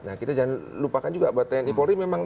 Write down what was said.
nah kita jangan lupakan juga buat tni polri memang